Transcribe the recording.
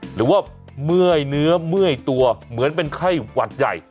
หรือว่าเมื่อยเนื้อเมื่อยตัวเหมือนเป็นไข้หวัดใหญ่